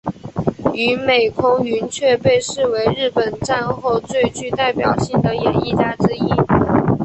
与美空云雀被视为日本战后最具代表性的演艺家之一。